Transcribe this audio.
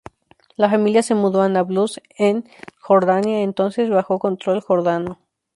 La familia se mudó a Nablus, en Cisjordania, entonces bajo control jordano.